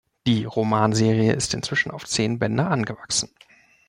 Die Romanserie ist inzwischen auf zehn Bände angewachsen.